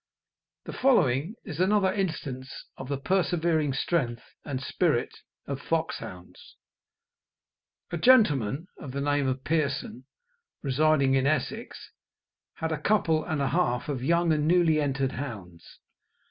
The following is another instance of the persevering strength and spirit of foxhounds: A gentleman of the name of Pearson, residing in Essex, had a couple and a half of young and newly entered hounds.